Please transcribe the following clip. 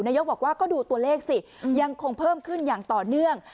บอกว่าก็ดูตัวเลขสิยังคงเพิ่มขึ้นอย่างต่อเนื่อง